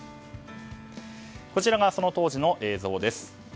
こちらが、その当時の映像です。